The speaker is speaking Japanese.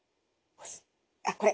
あっこれ。